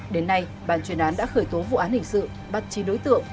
đến nay bàn chuyển án đã khởi tố vụ án hình sự bắt chí đối tượng